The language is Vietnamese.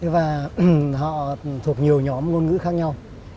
và họ thuộc nhiều nhóm ngôn ngữ khác nhau